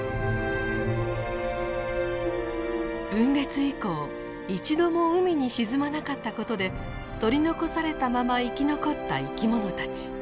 分裂以降一度も海に沈まなかったことで取り残されたまま生き残った生き物たち。